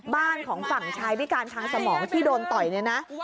บ้านของฝั่งชายพิการทางสมองที่โดนต่อยเนี่ยนะ